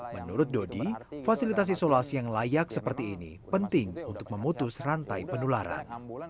menurut dodi fasilitas isolasi yang layak seperti ini penting untuk memutus rantai penularan